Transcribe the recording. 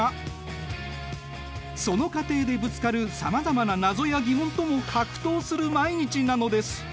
その過程でぶつかるさまざまな謎や疑問とも格闘する毎日なのです。